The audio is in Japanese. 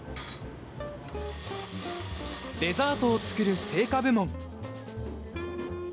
デザートを作る製菓部門。